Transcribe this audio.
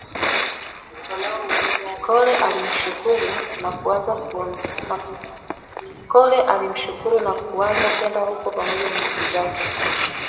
Kole alimshukuru na kuanza kwenda huko pamoja na ndugu zake